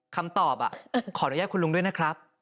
คำตอบขออนุญาตคุณลุงด้วยนะครับ